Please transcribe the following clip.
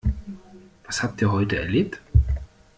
Was habt ihr heute erlebt?